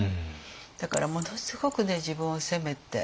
だからものすごく自分を責めて。